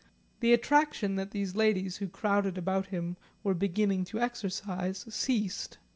The attraction that these ladies who crowded about him were beginning to exercise ceased.